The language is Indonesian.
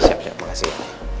siap siap makasih